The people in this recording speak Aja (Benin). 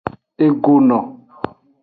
Egono.